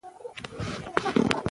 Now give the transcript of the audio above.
ترڅو هر څوک پر حقایقو خبر شي.